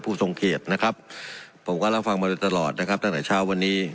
ผู้สมเขตนะครับผมก็ล่ามหลักฟังมาตลอดนะครับตั้งแต่เช้าวันนี้